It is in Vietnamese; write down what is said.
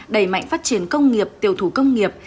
đẩy mạnh phát triển công nghiệp tiểu thủ công nghiệp